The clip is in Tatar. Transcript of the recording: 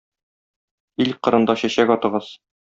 Ил кырында чәчәк атыгыз!